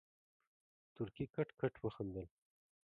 تورکي کټ کټ وخندل.